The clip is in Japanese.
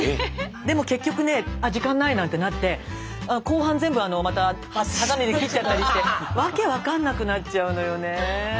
でも結局ねあ時間ないなんてなって後半全部またはさみで切っちゃったりして訳分かんなくなっちゃうのよね。